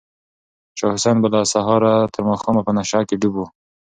شاه حسین به له سهاره تر ماښامه په نشه کې ډوب و.